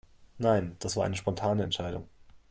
Nein, das war eine spontane Entscheidung.